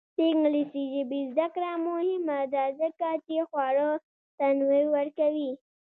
د انګلیسي ژبې زده کړه مهمه ده ځکه چې خواړه تنوع ورکوي.